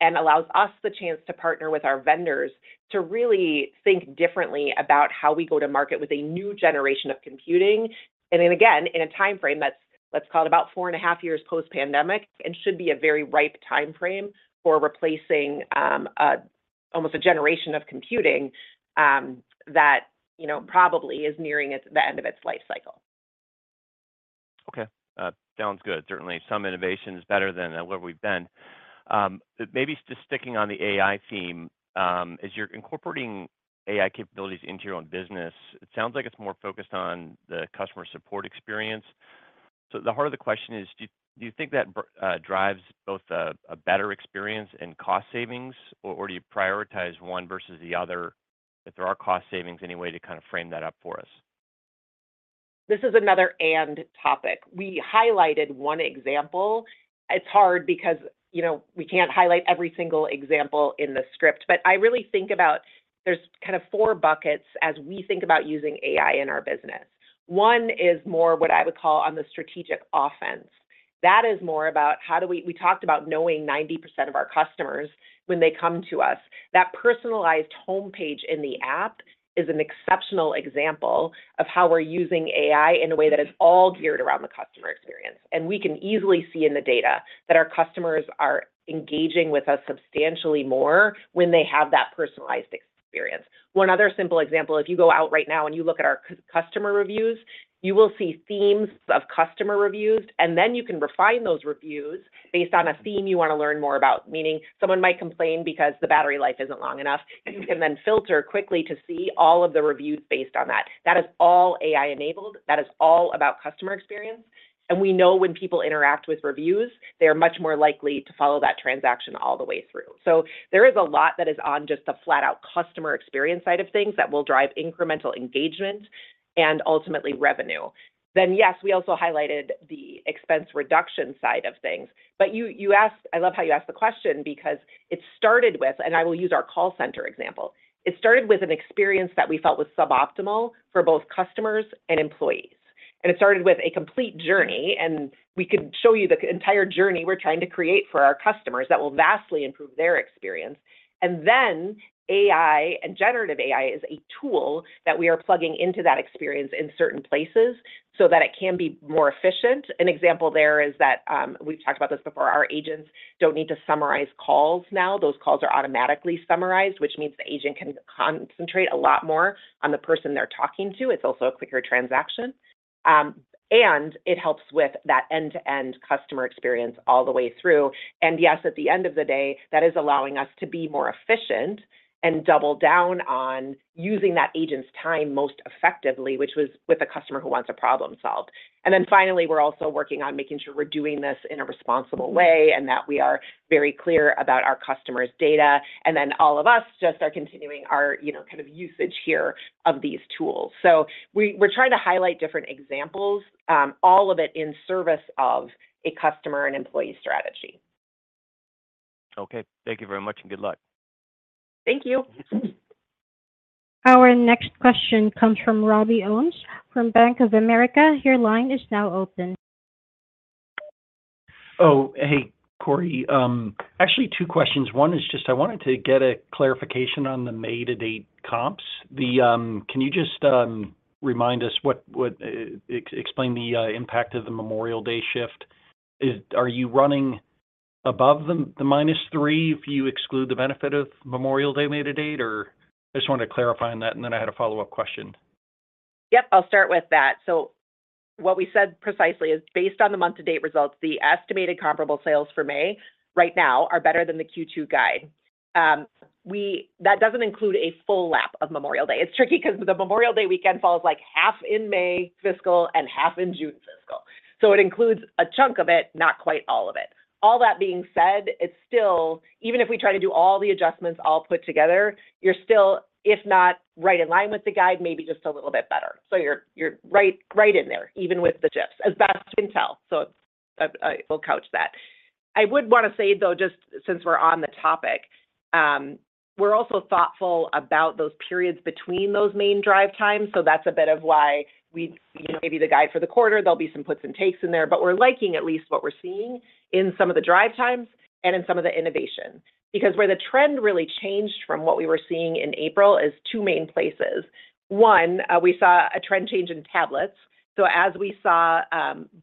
and allows us the chance to partner with our vendors to really think differently about how we go to market with a new generation of computing. And then again, in a time frame that's, let's call it about 4.5 years post-pandemic, and should be a very ripe time frame for replacing almost a generation of computing that, you know, probably is nearing its, the end of its life cycle. Okay, sounds good. Certainly, some innovation is better than where we've been. Maybe just sticking on the AI theme, as you're incorporating AI capabilities into your own business, it sounds like it's more focused on the customer support experience. The heart of the question is, do you think that drives both a better experience and cost savings, or do you prioritize one versus the other? If there are cost savings, any way to kind of frame that up for us? This is another end topic. We highlighted one example. It's hard because, you know, we can't highlight every single example in the script, but I really think about there's kind of four buckets as we think about using AI in our business. One is more what I would call on the strategic offense. That is more about how do we. We talked about knowing 90% of our customers when they come to us. That personalized homepage in the app is an exceptional example of how we're using AI in a way that is all geared around the customer experience. And we can easily see in the data that our customers are engaging with us substantially more when they have that personalized experience. One other simple example, if you go out right now and you look at our customer reviews, you will see themes of customer reviews, and then you can refine those reviews based on a theme you wanna learn more about, meaning someone might complain because the battery life isn't long enough. You can then filter quickly to see all of the reviews based on that. That is all AI-enabled. That is all about customer experience, and we know when people interact with reviews, they are much more likely to follow that transaction all the way through. So there is a lot that is on just the flat-out customer experience side of things that will drive incremental engagement and ultimately revenue. Then, yes, we also highlighted the expense reduction side of things. But you, you asked. I love how you asked the question because it started with, and I will use our call center example, it started with an experience that we felt was suboptimal for both customers and employees. And it started with a complete journey, and we could show you the entire journey we're trying to create for our customers that will vastly improve their experience. And then AI, and generative AI, is a tool that we are plugging into that experience in certain places so that it can be more efficient. An example there is that, we've talked about this before, our agents don't need to summarize calls now. Those calls are automatically summarized, which means the agent can concentrate a lot more on the person they're talking to. It's also a quicker transaction. And it helps with that end-to-end customer experience all the way through. Yes, at the end of the day, that is allowing us to be more efficient and double down on using that agent's time most effectively, which was with a customer who wants a problem solved. Then finally, we're also working on making sure we're doing this in a responsible way and that we are very clear about our customer's data. Then all of us just are continuing our, you know, kind of usage here of these tools. So we're trying to highlight different examples, all of it in service of a customer and employee strategy. Okay, thank you very much, and good luck. Thank you. Our next question comes from Robbie Ohmes from Bank of America. Your line is now open. Oh, hey, Corie. Actually, two questions. One is just I wanted to get a clarification on the May-to-date comps. Can you just remind us what explain the impact of the Memorial Day shift? Are you running above the minus three if you exclude the benefit of Memorial Day May-to-date, or? I just wanted to clarify on that, and then I had a follow-up question. Yep, I'll start with that. So what we said precisely is based on the month-to-date results, the estimated comparable sales for May right now are better than the Q2 guide. We—that doesn't include a full lap of Memorial Day. It's tricky because the Memorial Day weekend falls like half in May fiscal and half in June fiscal. So it includes a chunk of it, not quite all of it. All that being said, it's still, even if we try to do all the adjustments all put together, you're still, if not right in line with the guide, maybe just a little bit better. So you're, you're right, right in there, even with the shifts, as best we can tell. So, we'll couch that. I would want to say, though, just since we're on the topic, we're also thoughtful about those periods between those main drive times. So that's a bit of why we, you know, maybe the guide for the quarter, there'll be some puts and takes in there, but we're liking at least what we're seeing in some of the drive times and in some of the innovation. Because where the trend really changed from what we were seeing in April is two main places. One, we saw a trend change in tablets. So as we saw,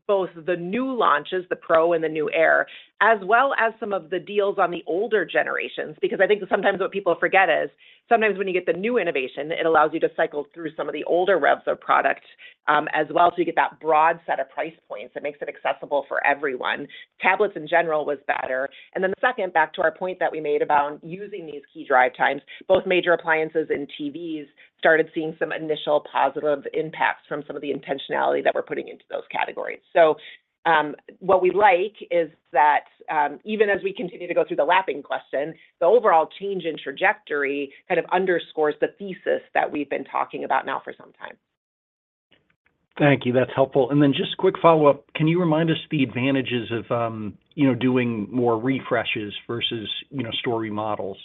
both the new launches, the Pro and the new Air, as well as some of the deals on the older generations, because I think sometimes what people forget is, sometimes when you get the new innovation, it allows you to cycle through some of the older reps of product, as well. So you get that broad set of price points that makes it accessible for everyone. Tablets in general was better. And then the second, back to our point that we made about using these key drive times, both major appliances and TVs started seeing some initial positive impacts from some of the intentionality that we're putting into those categories. So, what we like is that, even as we continue to go through the lapping question, the overall change in trajectory kind of underscores the thesis that we've been talking about now for some time. Thank you. That's helpful. And then just quick follow-up, can you remind us the advantages of, you know, doing more refreshes versus, you know, store remodels?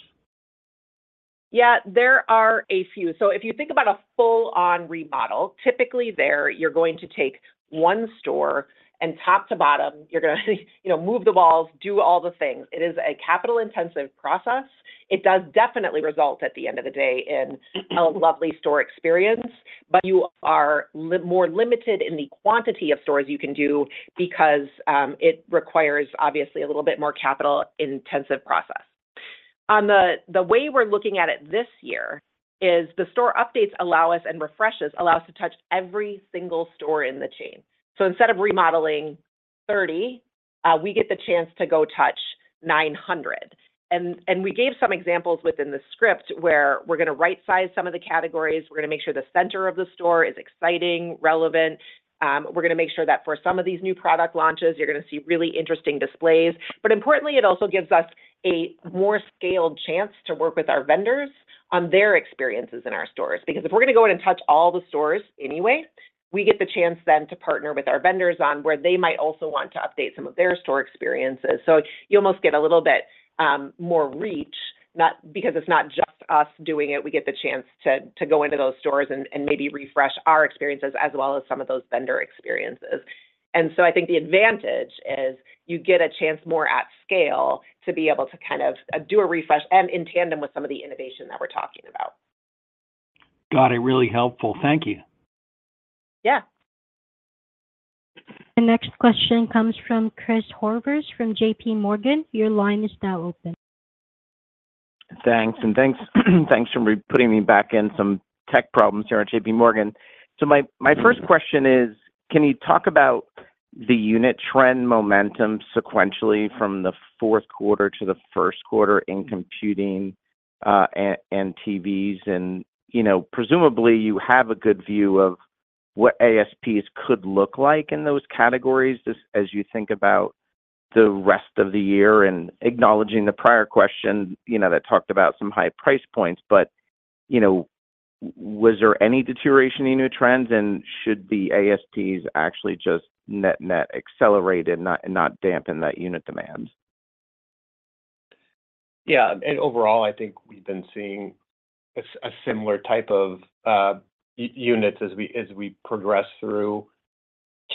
Yeah, there are a few. So if you think about a full-on remodel, typically there, you're going to take one store and top to bottom, you're gonna, you know, move the walls, do all the things. It is a capital-intensive process. It does definitely result, at the end of the day, in a lovely store experience, but you are more limited in the quantity of stores you can do because it requires, obviously, a little bit more capital-intensive process. On the way we're looking at it this year is the store updates allow us, and refreshes, allow us to touch every single store in the chain. So instead of remodeling 30, we get the chance to go touch 900. And we gave some examples within the script where we're gonna rightsize some of the categories. We're gonna make sure the center of the store is exciting, relevant. We're gonna make sure that for some of these new product launches, you're gonna see really interesting displays. But importantly, it also gives us a more scaled chance to work with our vendors on their experiences in our stores. Because if we're gonna go in and touch all the stores anyway, we get the chance then to partner with our vendors on where they might also want to update some of their store experiences. So you almost get a little bit more reach, because it's not just us doing it. We get the chance to go into those stores and maybe refresh our experiences as well as some of those vendor experiences. And so I think the advantage is you get a chance more at scale to be able to kind of do a refresh and in tandem with some of the innovation that we're talking about. Got it. Really helpful. Thank you. Yeah. The next question comes from Chris Horvers from JPMorgan. Your line is now open. Thanks, and thanks for putting me back in. Some tech problems here on J.P. Morgan. So my first question is, can you talk about the unit trend momentum sequentially from the fourth quarter to the first quarter in computing and TVs? And, you know, presumably, you have a good view of what ASPs could look like in those categories as you think about the rest of the year, and acknowledging the prior question, you know, that talked about some high price points. But, you know, was there any deterioration in your trends, and should the ASPs actually just net-net accelerate and not dampen that unit demand? Yeah. Overall, I think we've been seeing a similar type of units as we progress through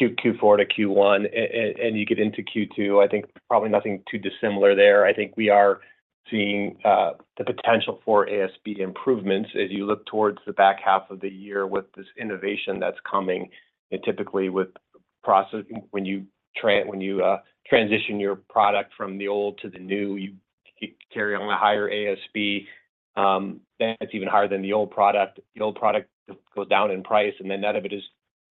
Q4 to Q1, and you get into Q2. I think probably nothing too dissimilar there. I think we are seeing the potential for ASP improvements as you look towards the back half of the year with this innovation that's coming. And typically with process when you transition your product from the old to the new, you carry on a higher ASP.... then it's even higher than the old product. The old product goes down in price, and then none of it is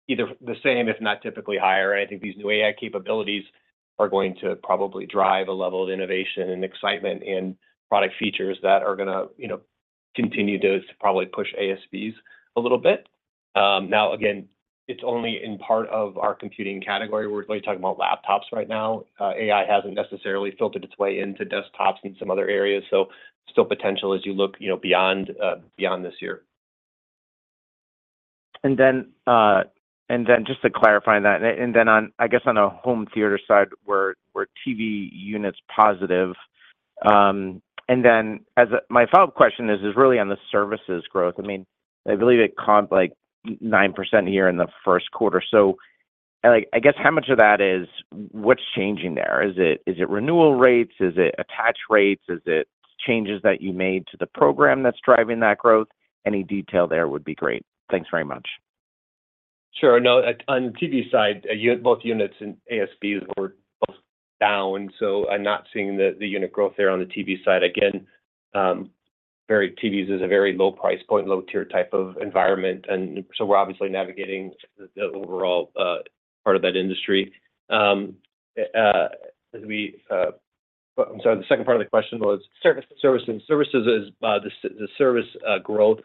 either the same, if not typically higher. I think these new AI capabilities are going to probably drive a level of innovation and excitement in product features that are gonna, you know, continue to probably push ASPs a little bit. Now, again, it's only in part of our computing category. We're really talking about laptops right now. AI hasn't necessarily filtered its way into desktops and some other areas, so still potential as you look, you know, beyond, beyond this year. And then, and then just to clarify that, and then on, I guess on a home theater side, were TV units positive? And then my follow-up question is really on the services growth. I mean, I believe it comped, like, 9% year in the first quarter. So, like, I guess how much of that is, what's changing there? Is it renewal rates? Is it attach rates? Is it changes that you made to the program that's driving that growth? Any detail there would be great. Thanks very much. Sure. No, on the TV side, both units and ASPs were both down, so I'm not seeing the, the unit growth there on the TV side. Again, TVs is a very low price point, low-tier type of environment, and so we're obviously navigating the overall, part of that industry. As we... I'm sorry, the second part of the question was? Services. Services growth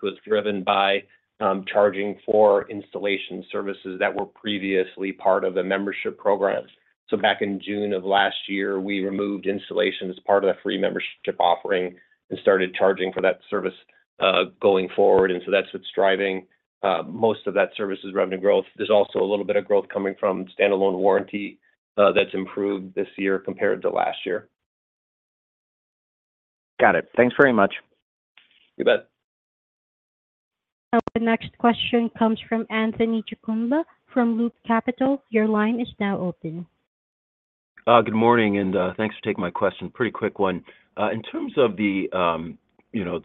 was driven by charging for installation services that were previously part of the membership programs. So back in June of last year, we removed installation as part of the free membership offering and started charging for that service going forward. And so that's what's driving most of that services revenue growth. There's also a little bit of growth coming from standalone warranty that's improved this year compared to last year. Got it. Thanks very much. You bet. Now, the next question comes from Anthony Chukumba from Loop Capital. Your line is now open. Good morning, and, thanks for taking my question. Pretty quick one. In terms of the, you know,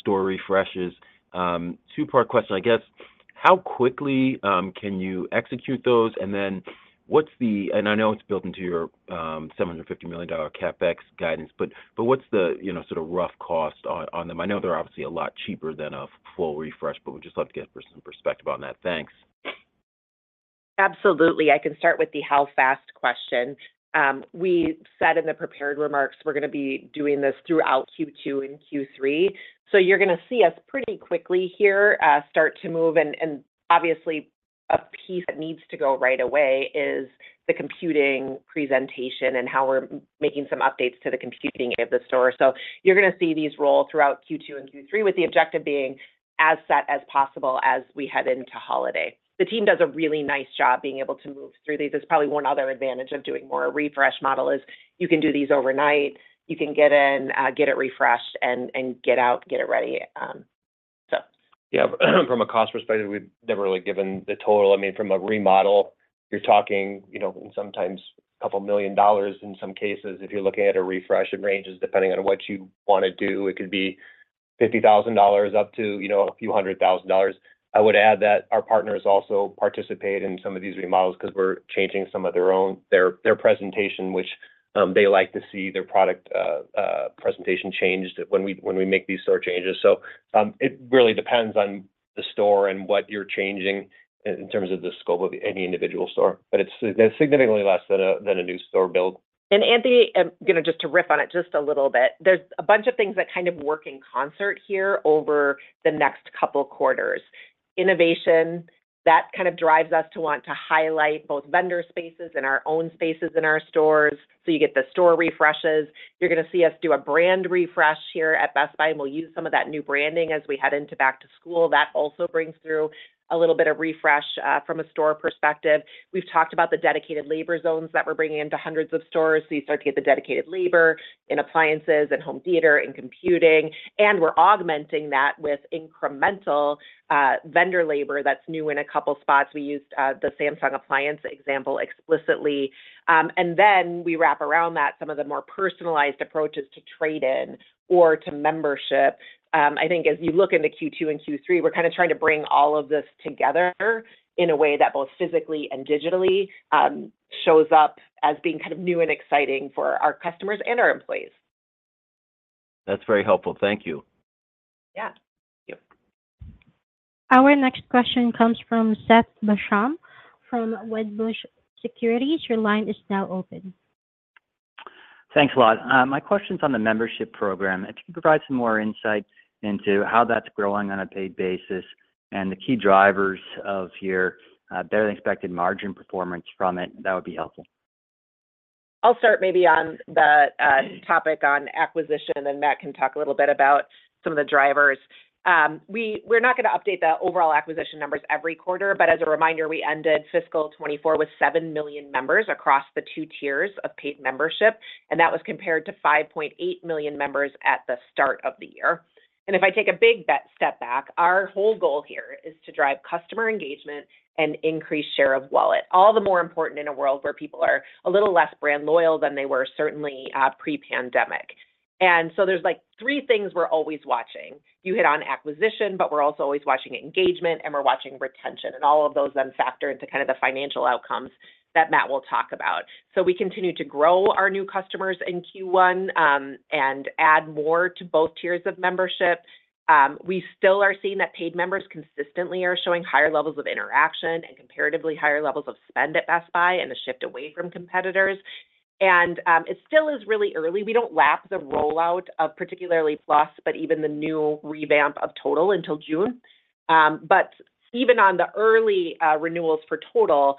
store refreshes, two-part question, I guess. How quickly can you execute those? And then what's the... And I know it's built into your $750 million CapEx guidance, but, but what's the, you know, sort of rough cost on them? I know they're obviously a lot cheaper than a full refresh, but would just love to get some perspective on that. Thanks. Absolutely. I can start with the how fast question. We said in the prepared remarks, we're gonna be doing this throughout Q2 and Q3. So you're gonna see us pretty quickly here, start to move. And obviously, a piece that needs to go right away is the computing presentation and how we're making some updates to the computing of the store. So you're gonna see these roll throughout Q2 and Q3, with the objective being as set as possible as we head into holiday. The team does a really nice job being able to move through these. There's probably one other advantage of doing more a refresh model is, you can do these overnight. You can get in, get it refreshed, and get out, get it ready, so. Yeah, from a cost perspective, we've never really given the total. I mean, from a remodel, you're talking, you know, sometimes a couple million dollars in some cases. If you're looking at a refresh, it ranges depending on what you wanna do. It could be $50,000 up to, you know, a few hundred thousand dollars. I would add that our partners also participate in some of these remodels 'cause we're changing some of their own, their presentation, which they like to see their product presentation changed when we, when we make these store changes. So, it really depends on the store and what you're changing in terms of the scope of any individual store, but it's significantly less than a new store build. Anthony, you know, just to riff on it just a little bit, there's a bunch of things that kind of work in concert here over the next couple quarters. Innovation, that kind of drives us to want to highlight both vendor spaces and our own spaces in our stores, so you get the store refreshes. You're gonna see us do a brand refresh here at Best Buy, and we'll use some of that new branding as we head into back to school. That also brings through a little bit of refresh from a store perspective. We've talked about the dedicated labor zones that we're bringing into hundreds of stores, so you start to get the dedicated labor in appliances, in home theater, in computing, and we're augmenting that with incremental vendor labor that's new in a couple spots. We used the Samsung appliance example explicitly. And then we wrap around that some of the more personalized approaches to trade-in or to membership. I think as you look into Q2 and Q3, we're kind of trying to bring all of this together in a way that both physically and digitally shows up as being kind of new and exciting for our customers and our employees. That's very helpful. Thank you. Yeah. Thank you. Our next question comes from Seth Basham, from Wedbush Securities. Your line is now open. Thanks a lot. My question's on the membership program. If you could provide some more insight into how that's growing on a paid basis and the key drivers of your better-than-expected margin performance from it, that would be helpful. I'll start maybe on the topic on acquisition, and then Matt can talk a little bit about some of the drivers. We're not gonna update the overall acquisition numbers every quarter, but as a reminder, we ended fiscal 2024 with 7 million members across the two tiers of paid membership, and that was compared to 5.8 million members at the start of the year. And if I take a step back, our whole goal here is to drive customer engagement and increase share of wallet. All the more important in a world where people are a little less brand loyal than they were, certainly, pre-pandemic. And so there's, like, three things we're always watching. You hit on acquisition, but we're also always watching engagement, and we're watching retention, and all of those then factor into kind of the financial outcomes that Matt will talk about. So we continue to grow our new customers in Q1, and add more to both tiers of membership. We still are seeing that paid members consistently are showing higher levels of interaction and comparatively higher levels of spend at Best Buy and a shift away from competitors. And, it still is really early. We don't lap the rollout of particularly Plus, but even the new revamp of Total until June. But even on the early, renewals for Total,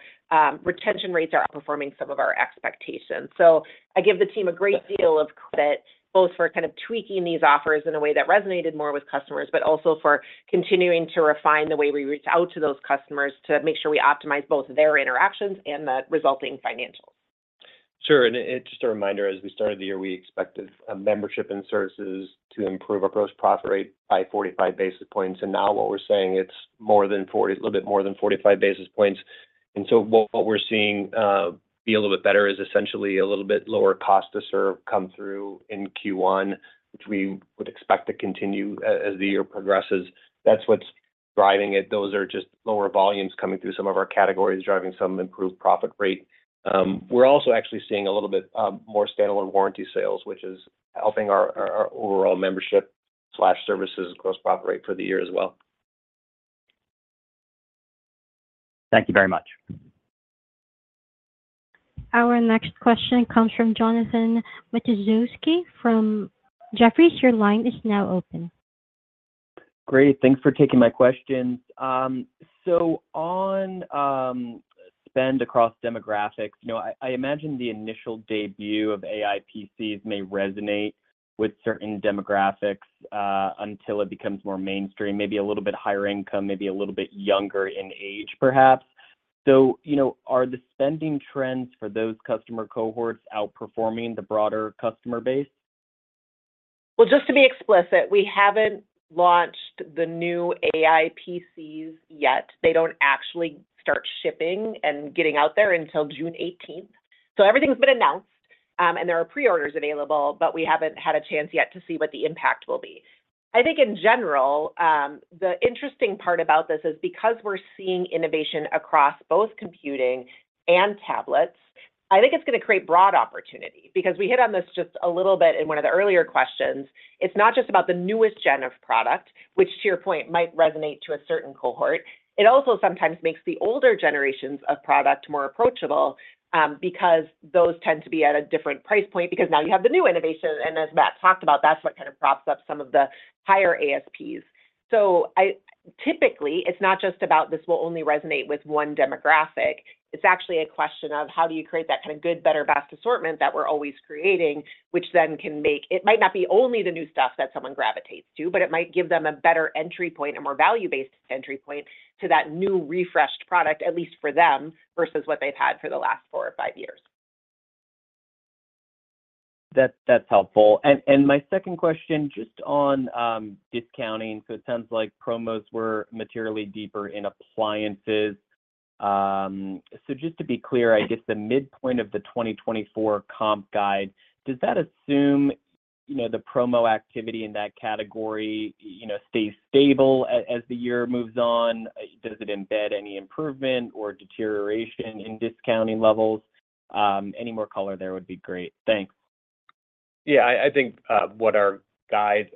retention rates are outperforming some of our expectations. So I give the team a great deal of credit, both for kind of tweaking these offers in a way that resonated more with customers, but also for continuing to refine the way we reach out to those customers to make sure we optimize both their interactions and the resulting financials. Sure, and just a reminder, as we started the year, we expected membership and services to improve our gross profit rate by 45 basis points, and now what we're saying, it's more than 40... a little bit more than 45 basis points. And so what we're seeing be a little bit better is essentially a little bit lower cost to serve come through in Q1, which we would expect to continue as the year progresses. That's what's driving it. Those are just lower volumes coming through some of our categories, driving some improved profit rate. We're also actually seeing a little bit more standalone warranty sales, which is helping our overall membership/services gross profit rate for the year as well. Thank you very much. Our next question comes from Jonathan Matuszewski from Jefferies. Your line is now open. Great, thanks for taking my questions. So on spend across demographics, you know, I, I imagine the initial debut of AI PCs may resonate with certain demographics, until it becomes more mainstream, maybe a little bit higher income, maybe a little bit younger in age, perhaps. So, you know, are the spending trends for those customer cohorts outperforming the broader customer base? Well, just to be explicit, we haven't launched the new AI PCs yet. They don't actually start shipping and getting out there until June 18th. So everything's been announced, and there are pre-orders available, but we haven't had a chance yet to see what the impact will be. I think in general, the interesting part about this is because we're seeing innovation across both computing and tablets, I think it's gonna create broad opportunity. Because we hit on this just a little bit in one of the earlier questions, it's not just about the newest gen of product, which, to your point, might resonate to a certain cohort. It also sometimes makes the older generations of product more approachable, because those tend to be at a different price point, because now you have the new innovation, and as Matt talked about, that's what kind of props up some of the higher ASPs. So typically, it's not just about, this will only resonate with one demographic. It's actually a question of, how do you create that kind of good, better, best assortment that we're always creating, which then can make... It might not be only the new stuff that someone gravitates to, but it might give them a better entry point, a more value-based entry point to that new refreshed product, at least for them, versus what they've had for the last four or five years. That's helpful. And my second question, just on discounting, so it sounds like promos were materially deeper in appliances. So just to be clear, I guess the midpoint of the 2024 comp guide, does that assume, you know, the promo activity in that category, you know, stays stable as the year moves on? Does it embed any improvement or deterioration in discounting levels? Any more color there would be great. Thanks. Yeah, I think what our guide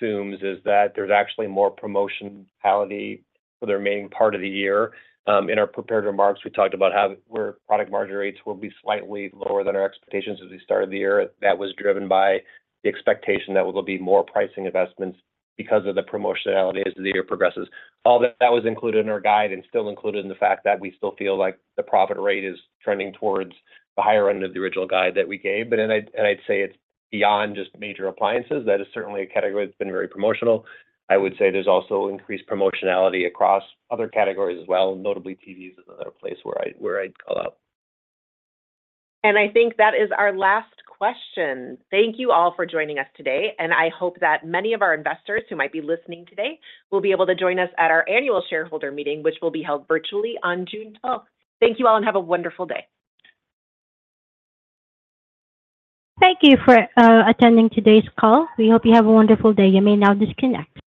assumes is that there's actually more promotionality for the remaining part of the year. In our prepared remarks, we talked about how where product margin rates will be slightly lower than our expectations as we started the year. That was driven by the expectation that there will be more pricing investments because of the promotionality as the year progresses. All that was included in our guide and still included in the fact that we still feel like the profit rate is trending towards the higher end of the original guide that we gave. But I'd say it's beyond just major appliances. That is certainly a category that's been very promotional. I would say there's also increased promotionality across other categories as well, notably, TVs is another place where I'd call out. I think that is our last question. Thank you all for joining us today, and I hope that many of our investors who might be listening today will be able to join us at our annual shareholder meeting, which will be held virtually on June twelfth. Thank you all, and have a wonderful day. Thank you for attending today's call. We hope you have a wonderful day. You may now disconnect.